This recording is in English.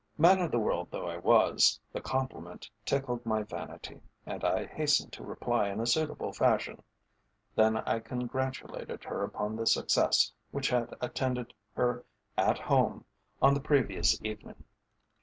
Man of the world though I was, the compliment tickled my vanity, and I hastened to reply in a suitable fashion. Then I congratulated her upon the success which had attended her "At Home" on the previous evening.